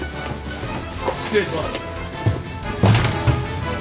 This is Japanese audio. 失礼します。